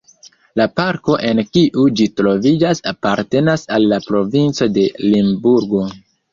La parko en kiu ĝi troviĝas apartenas al la provinco de Limburgo.